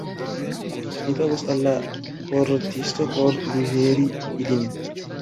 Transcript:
Mi pagos al la portisto por liveri ilin.